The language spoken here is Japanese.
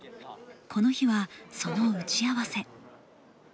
この日は、その打ち合わせ。